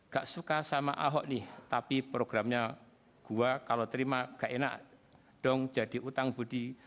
gak suka sama ahok nih tapi programnya gua kalau terima gak enak dong jadi utang budi